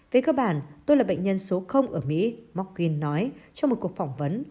về cơ bản tôi là bệnh nhân số ở mỹ morkin nói trong một cuộc phỏng vấn